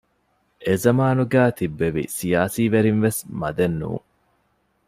އެޒަމާނުގައި ތިއްބެވި ސިޔާސީ ވެރިންވެސް މަދެއް ނޫން